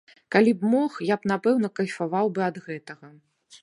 Калі б мог, я б напэўна кайфаваў бы ад гэтага.